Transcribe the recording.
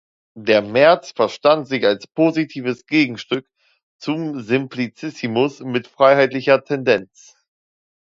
Der "März" "„verstand sich als positives Gegenstück zum Simplicissimus mit freiheitlicher Tendenz“".